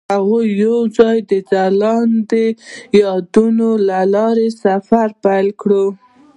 هغوی یوځای د ځلانده یادونه له لارې سفر پیل کړ.